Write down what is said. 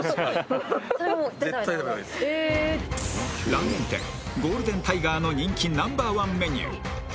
ラーメン店ゴールデンタイガーの人気Ｎｏ．１メニュー